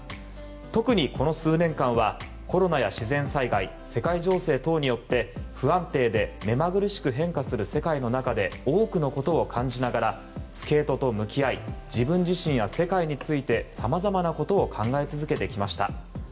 特に、この数年間はコロナや自然災害世界情勢等によって不安定で目まぐるしく変化する世界の中で多くのことを感じながらスケートと向き合い自分自身や世界についてさまざまなことを考え続けてきました。